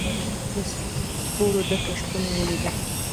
له ستورو ډکه شپه مې ولیده